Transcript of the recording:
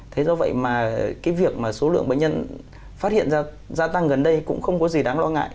thế do vậy mà cái việc mà số lượng bệnh nhân phát hiện ra gia tăng gần đây cũng không có gì đáng lo ngại